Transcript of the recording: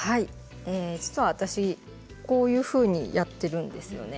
実は私は、こういうふうにやっているんです。